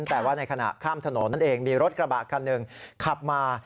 แต่ว่าในขณะข้ามถนนนั่นเองมีรถกระบะคันหนึ่งขับมา